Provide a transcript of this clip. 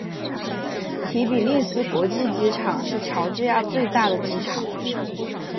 提比利斯国际机场是乔治亚最大的机场。